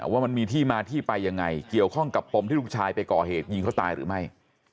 ว่ามันมีที่มาที่ไปยังไงเกี่ยวข้องกับปมที่ลูกชายไปก่อเหตุยิงเขาตายหรือไม่